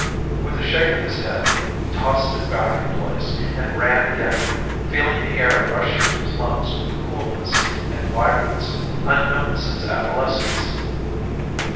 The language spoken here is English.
With a shake of his head he tossed it back in place and ran again, feeling the air rush into his lungs with coolness and vibrance unknown since adolescence.